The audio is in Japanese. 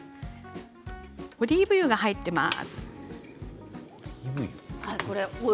オリーブ油が入っています。